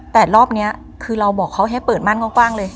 แต่รอบนี้คือเราบอกเขาให้เปิดมั่นกว้างเลย